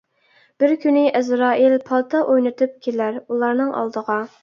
بىر كۈنى ئەزرائىل پالتا ئوينىتىپ كېلەر ئۇلارنىڭ ئالدىغا.